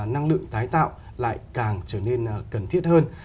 năng lượng tái tạo lại càng trở nên cần thiết hơn